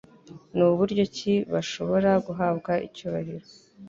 Ni buryo ki bashobora guhabwa icyubahiro